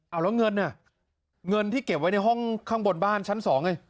เอาแล้วเงินน่ะเงินที่เก็บไว้ในห้องข้างบนบ้านชั้นสองไง